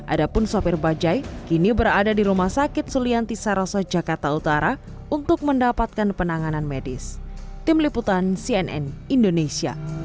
adapun sopir bajaj kini berada di rumah sakit sulianti saroso jakarta utara untuk mendapatkan penanganan medis